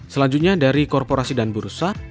selanjutnya dari korporasi dan bursa